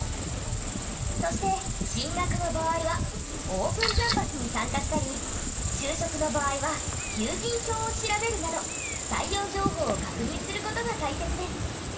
そして進学の場合はオープンキャンパスに参加したり就職の場合は求人票を調べるなど採用情報を確認する事が大切です。